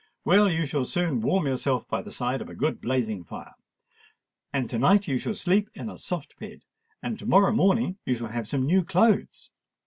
Well, you shall soon warm yourself by the side of a good blazing fire. And to night you shall sleep in a soft bed; and to morrow morning you shall have some new clothes.